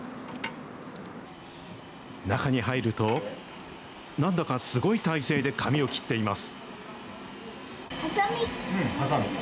中に入ると、なんだか、すごい体勢で髪を切っています。